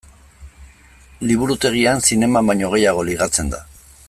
Liburutegian zineman baino gehiago ligatzen da.